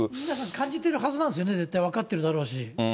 皆さん、感じてるはずなんですよね、絶対分かってるだろうし。